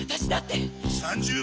３０秒。